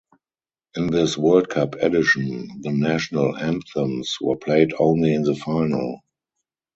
In this World Cup edition, the national anthems were played only in the final.